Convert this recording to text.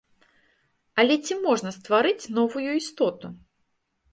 Але ці можна стварыць новую істоту?